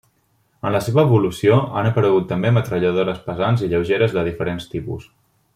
En la seva evolució han aparegut també metralladores pesants i lleugeres de diferents tipus.